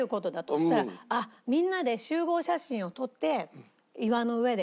そしたらみんなで集合写真を撮って岩の上で。